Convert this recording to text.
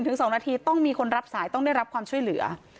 ถึง๒นาทีต้องมีคนรับสายต้องได้รับความช่วยเหลือ